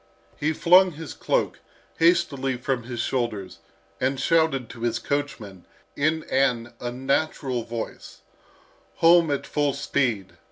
He flung his cloak hastily from his shoulders and shouted to his coachman in an unnatural voice, "Home at full speed!"